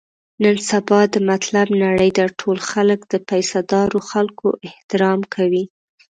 نن سبا د مطلب نړۍ ده، ټول خلک د پیسه دارو خلکو احترام کوي.